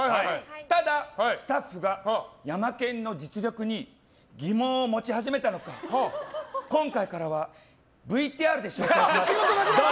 ただ、スタッフがヤマケンの実力に疑問を持ち始めたのか今回からはＶＴＲで紹介します。